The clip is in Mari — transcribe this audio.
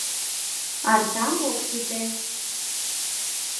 Артам ок сите.